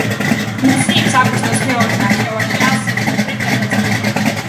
მწიფს აგვისტოს მეორე ნახევარში ან სექტემბრის დასაწყისში.